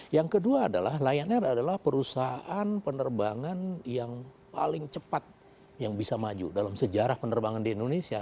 yang kedua adalah lion air adalah perusahaan penerbangan yang paling cepat yang bisa maju dalam sejarah penerbangan di indonesia